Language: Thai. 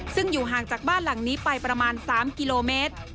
ซึ่งอยู่ห่างจากบ้านหลังนี้ไปประมาณ๓กิโลเมตร